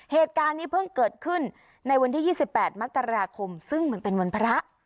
เหตุการณ์นี้เพิ่งเกิดขึ้นในวันที่๒๘มกราคมซึ่งมันเป็นวันพระ